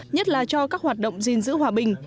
nhất là cho các hoạt động gìn giữ hòa bình